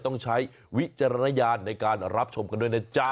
ต้องใช้วิจารณญาณในการรับชมกันด้วยนะจ๊ะ